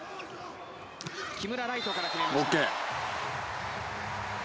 木村ライトから決めました。